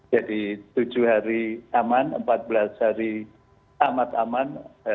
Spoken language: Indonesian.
jadi tujuh hari aman empat belas hari amat aman